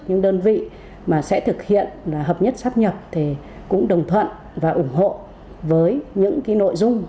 những đơn vị mà sẽ thực hiện là hợp nhất sắp nhập thì cũng đồng thuận và ủng hộ với những cái nội dung